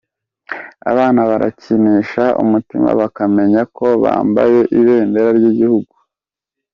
Abana barakinisha umutima bakamenya ko bambaye ibendera ry’igihugu.